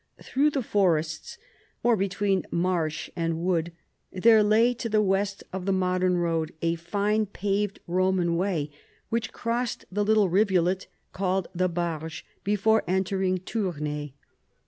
Through the forests (or between marsh and wood) there lay, to the west of the modern road, a fine paved Eoman way, which crossed the little rivulet called the Barge before entering Tournai.